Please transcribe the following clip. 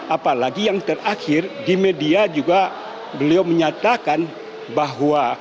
apalagi yang terakhir di media juga beliau menyatakan bahwa